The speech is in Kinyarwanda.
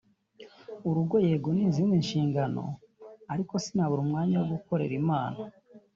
urugo yego ni izindi nshingano ariko sinabura umwanya wo gukorera Imana